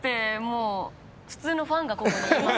普通のファンがここにいます。